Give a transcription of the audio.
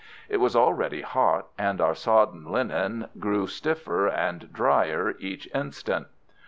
It was already hot, and our sodden linen grew stiffer and drier each instant.